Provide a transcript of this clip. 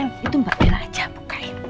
daryl itu mbak bel aja mau kain